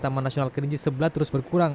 taman nasional kerinci sebelah terus berkurang